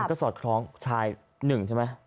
มันก็สอดคล้องชาย๑ใช่ไหม